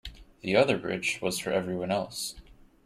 The other bridge was for everyone else.